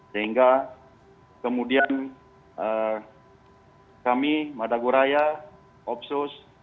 sehingga kemudian kami madagoraya opsus